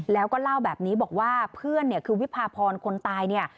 แล้วก็เล่าแบบนี้บอกว่าเพื่อนคือวิภาพรคนตาย